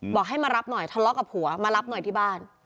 บอกให้มารับหน่อยทะเลาะกับผัวมารับหน่อยที่บ้าน